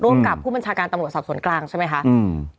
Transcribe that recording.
กับผู้บัญชาการตำรวจสอบสวนกลางใช่ไหมคะอืม